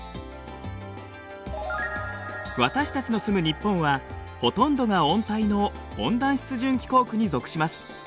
私たちの住む日本はほとんどが温帯の温暖湿潤気候区に属します。